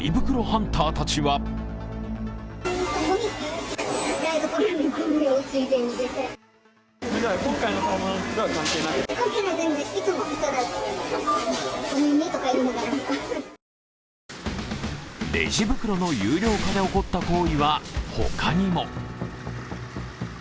ハンターたちはレジ袋の有料化で起こった行為は他にも。